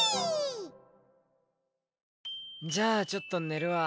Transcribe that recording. じゃあちょっと寝るわ。